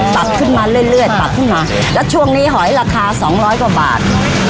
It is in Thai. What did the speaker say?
ปรับขึ้นมาเรื่อยปรับขึ้นมาแล้วช่วงนี้หอยราคาสองร้อยกว่าบาท